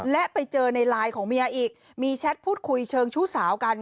และไปเจอในไลน์ของเมียอีกมีแชทพูดคุยเชิงชู้สาวกัน